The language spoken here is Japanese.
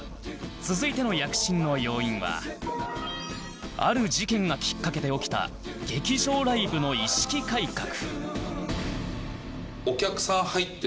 続いての躍進の要因はある事件がきっかけで起きた劇場ライブの意識改革